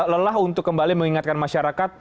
lelah untuk kembali mengingatkan masyarakat